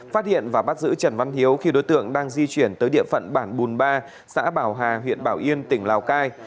phát hiện và bắt giữ trần văn hiếu khi đối tượng đang di chuyển tới địa phận bản bùn ba xã bảo hà huyện bảo yên tỉnh lào cai